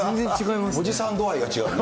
おじさん度合いが違う。